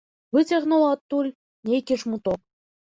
Выцягнуў адтуль нейкі жмуток.